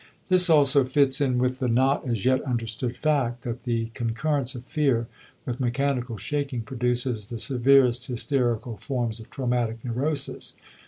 This also fits in with the not as yet understood fact that the concurrence of fear with mechanical shaking produces the severest hysterical forms of traumatic neurosis.